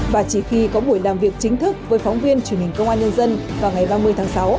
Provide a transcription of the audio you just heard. và chỉ khi có buổi làm việc chính thức với phóng viên truyền hình công an nhân dân vào ngày ba mươi tháng sáu